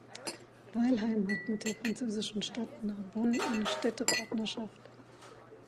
Weilheim hat mit der französischen Stadt Narbonne eine Städtepartnerschaft.